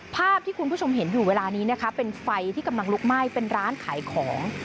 ภาพที่คุณผู้ชมเห็นอยู่เวลานี้นะคะเป็นไฟที่กำลังลุกไหม้เป็นร้านขายของ